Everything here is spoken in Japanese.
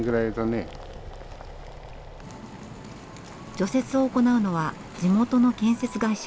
除雪を行うのは地元の建設会社。